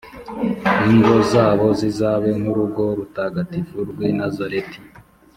ingo zabo zizabe nk’urugo rutagatifu rw’i nazareti.